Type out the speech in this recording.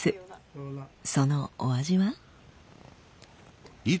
そのお味は？